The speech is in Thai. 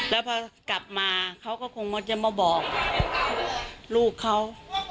แล้วพอกลับมาเขาก็คงจะมาบอกลูกเขา